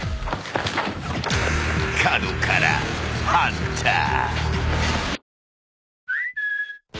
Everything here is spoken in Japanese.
［角からハンター］